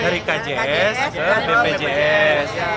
dari kjs ke bpjs